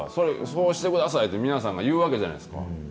そうしてくださいって皆さんが言うわけじゃないですか。